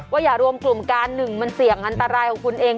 อย่ารวมกลุ่มกันหนึ่งมันเสี่ยงอันตรายของคุณเอง